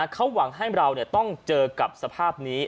เขาหวังให้เราต้องเจอกับสภาพนี้